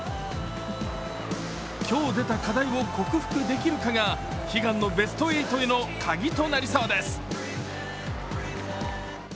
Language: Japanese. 今日出た課題を克服できるかが悲願のベスト８へのカギとなりそうです。